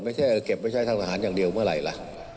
ไม่ใช่เก็บไว้ใช้ทางทหารอย่างเดียวเมื่อไหร่ล่ะ